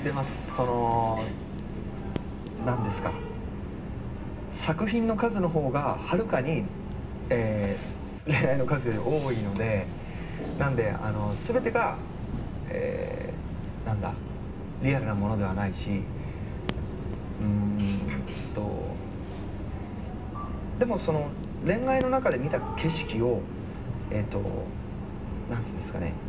その何ですか作品の数の方がはるかに恋愛の数より多いのでなので全てがリアルなものではないしうんとでもその恋愛の中で見た景色を何つうんですかね